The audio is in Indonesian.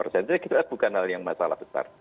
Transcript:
saya kira bukan hal yang masalah besar